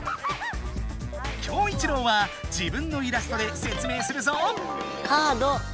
キョウイチロウは自分のイラストでせつ明するぞ。